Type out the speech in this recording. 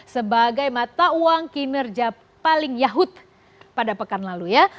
sebagai mata uang kinerja paling yahut pada pekan lalu ya